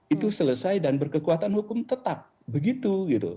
itu selesai dan berkekuatan hukum tetap begitu